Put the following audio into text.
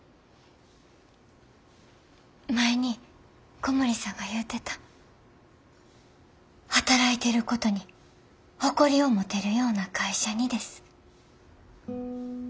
前に小森さんが言うてた働いてることに誇りを持てるような会社にです。